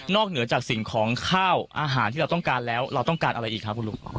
เหนือจากสิ่งของข้าวอาหารที่เราต้องการแล้วเราต้องการอะไรอีกครับคุณลุง